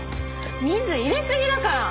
水入れ過ぎだから。